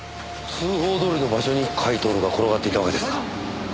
通報どおりの場所に甲斐享が転がっていたわけですか？